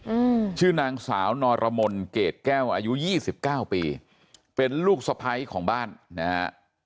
อืมชื่อนางสาวนรมนเกรดแก้วอายุยี่สิบเก้าปีเป็นลูกสะพ้ายของบ้านนะฮะ